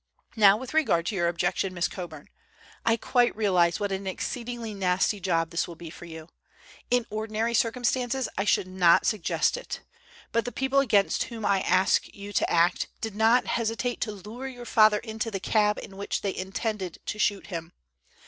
Now with regard to your objection, Miss Coburn. I quite realize what an exceedingly nasty job this will be for you. In ordinary circumstances I should not suggest it. But the people against whom I ask you to act did not hesitate to lure your father into the cab in which they intended to shoot him.